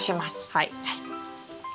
はい。